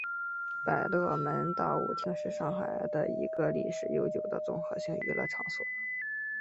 百乐门大舞厅是上海的一个历史悠久的综合性娱乐场所。